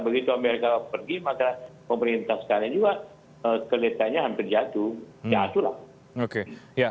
begitu amerika pergi maka pemerintah sekarang juga keletakannya hampir jatuh